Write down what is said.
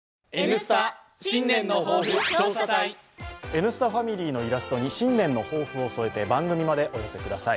「Ｎスタ」ファミリーのイラストに新年の抱負を添えて番組までお寄せください。